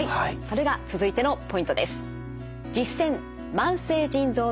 それが続いてのポイントです。